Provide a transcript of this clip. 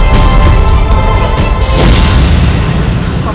kamu tidak crap